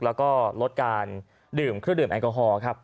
แล้วก็ลดการดื่มเครื่องดื่มแอลกอฮอล์ครับ